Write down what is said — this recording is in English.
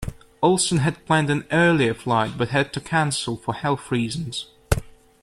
Olsen had planned an earlier flight, but had to cancel for health reasons.